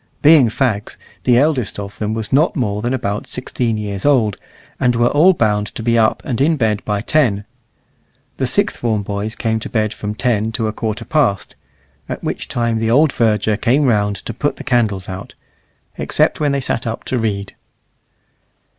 Being fags, the eldest of them was not more than about sixteen years old, and were all bound to be up and in bed by ten. The sixth form boys came to bed from ten to a quarter past (at which time the old verger came round to put the candles out), except when they sat up to read.